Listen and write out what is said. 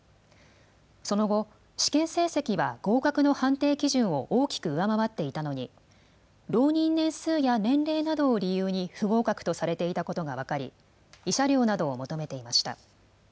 その後、試験成績は合格の判定基準を大きく上回っていたのに、浪人年数や年齢などを理由に、不合格とされていたことが分かり、慰謝料などを求めていました。